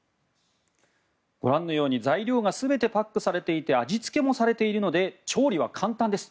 ご覧のように材料が全てパックされていて味付けもされているので調理は簡単です。